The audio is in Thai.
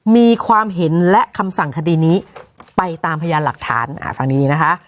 มีความเห็นและคำสั่งคดีนี้ไปตามพยานหลักฐานฟังดีนะคะ